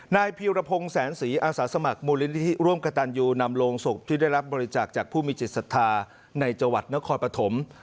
นายพีรพงศ์แสนศรีอาสาสมัครมูลนิธิร่วมกระตันยูนำโรงศพที่ได้รับบริจาคจากผู้มีจิตศรัทธาในจังหวัดนครปฐม